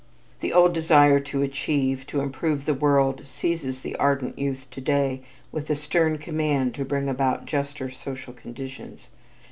The old desire to achieve, to improve the world, seizes the ardent youth to day with a stern command to bring about juster social conditions.